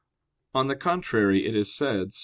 On the contrary, It is said (Ps.